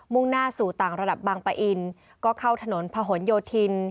่งหน้าสู่ต่างระดับบางปะอินก็เข้าถนนพะหนโยธิน